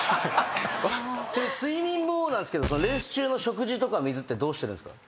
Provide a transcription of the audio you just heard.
ちなみに睡眠もなんですけどレース中の食事とか水ってどうしてるんですか？